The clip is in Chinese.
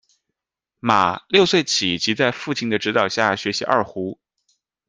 马六岁起即在父亲的指导下学习二胡。